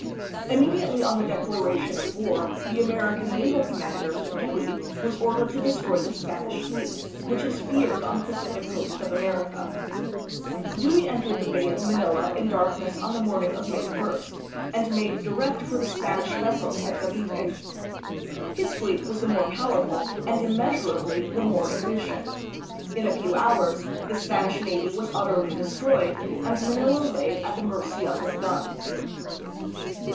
Immediately on the declaration of war, the Amer ican naval commander, Dewey, was ordered to destroy the Spanish fleet, which was feared on the Pacific coast of America. Dewey entered the Bay of Manila in darkness on the morning of May 1st, and made direct for the 294 THE PHILIPPINES. Spanish vessels at Cavite. His fleet was the more power ful and immeasurably the more efficient. In a few hours the Spanish navy was utterly destroyed and Manila lay at the mercy of his guns.